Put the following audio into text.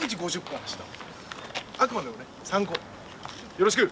よろしく！